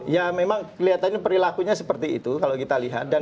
ya memang kelihatannya perilakunya seperti itu kalau kita lihat